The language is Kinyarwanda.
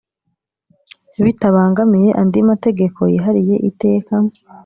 Bitabangamiye andi mategeko yihariye Iteka